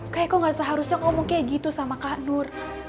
kayaknya kok gak seharusnya ngomong kayak gitu sama kak nur